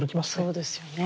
そうですよね。